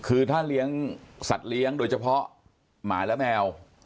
คือถ้าเลี้ยงสัตว์เลี้ยงโดยเฉพาะหมาและแมว